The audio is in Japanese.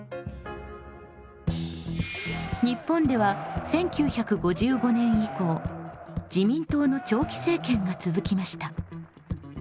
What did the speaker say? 日本では１９５５年以降自民党の長期政権が続きました。